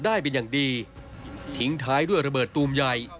ได้เป็นอย่างดีทิ้งท้ายด้วยระเบิดตูมใหญ่